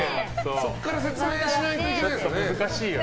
そこから説明しないといけないですもんね。